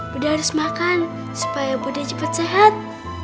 budi harus makan supaya budi cepat sehat